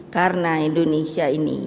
karena indonesia ini